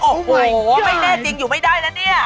โอ้โหไม่แน่จริงอยู่ไม่ได้นะเนี่ย